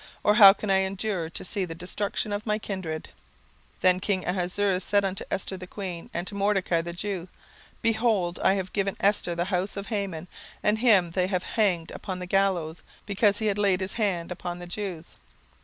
or how can I endure to see the destruction of my kindred? 17:008:007 Then the king Ahasuerus said unto Esther the queen and to Mordecai the Jew, Behold, I have given Esther the house of Haman, and him they have hanged upon the gallows, because he laid his hand upon the Jews.